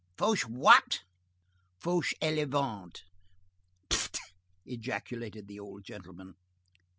"Fauchewhat?" "Fauchelevent." "Pttt!" ejaculated the old gentleman.